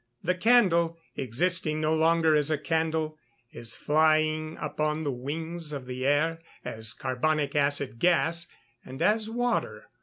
The candle, existing no longer as a candle, is flying upon the wings of the air as carbonic acid gas, and as water.